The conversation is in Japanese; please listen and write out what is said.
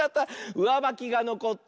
うわばきがのこった。